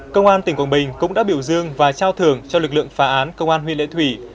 công an tỉnh quảng bình cũng đã biểu dương và trao thưởng cho lực lượng phá án công an huyện lệ thủy